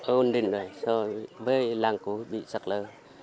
ồn định rồi rồi về làng của bị giặc lơ